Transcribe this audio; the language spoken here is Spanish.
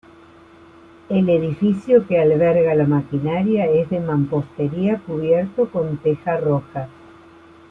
El edificio que alberga la maquinaria es de mampostería cubierto con teja roja.